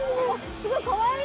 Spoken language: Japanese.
すごいかわいい！